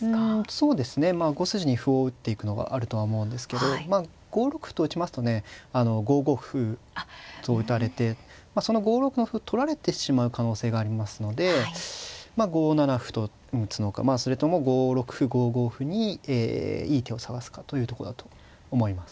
５筋に歩を打っていくのがあるとは思うんですけど５六歩と打ちますとね５五歩と打たれてその５六の歩を取られてしまう可能性がありますので５七歩と打つのかまあそれとも５六歩５五歩にえいい手を探すかというとこだと思います。